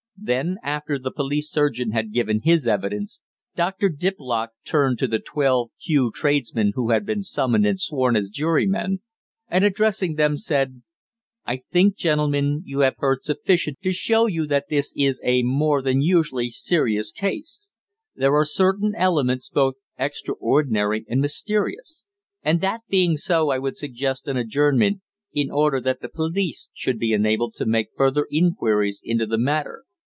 Then, after the police surgeon had given his evidence, Dr. Diplock turned to the twelve Kew tradesmen who had been "summoned and sworn" as jurymen, and addressing them said: "I think, gentlemen, you have heard sufficient to show you that this is a more than usually serious case. There are certain elements both extraordinary and mysterious, and that being so I would suggest an adjournment, in order that the police should be enabled to make further enquiries into the matter.